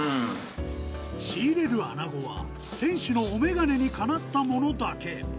仕入れる穴子は、店主のお眼鏡にかなったものだけ。